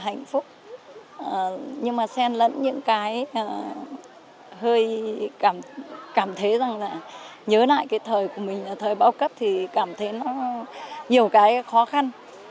hạnh phúc nhưng mà sen lẫn những cái hơi cảm thấy rằng là nhớ lại cái thời của mình ở thời bao cấp thì cảm thấy nó nhiều cái khó khăn